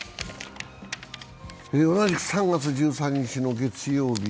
同じく３月１３日の月曜日。